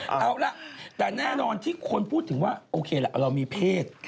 เอาล่ะแต่แน่นอนที่คนพูดถึงว่าโอเคล่ะเรามีเพศ